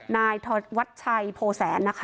นายทวัชชัยโภแสน